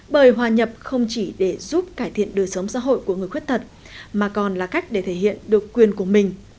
bởi hòa nhập không chỉ để giúp cải thiện đời sống xã hội của người khuyết tật mà còn là cách để thể hiện được quyền của mình